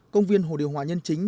công viên hồ điều hòa nhân chính